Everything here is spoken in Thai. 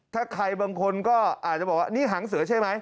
ถ้าใครบางคนก็อาจจะบอกว่านี่หางเสือใช่ไหม